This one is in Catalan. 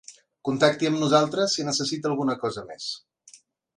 Contacti amb nosaltres si necessita alguna cosa més.